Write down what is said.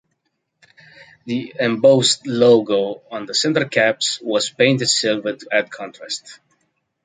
The embossed logo on the center caps was painted silver to add contrast.